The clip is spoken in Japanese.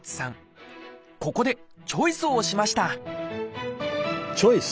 ここでチョイスをしましたチョイス！